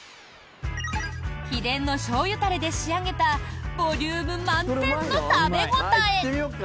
秘伝のしょうゆタレで仕上げたボリューム満点の食べ応え！